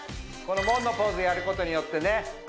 この門のポーズやることによってね